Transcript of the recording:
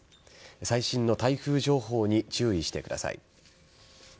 最新の台風情報に注意してください。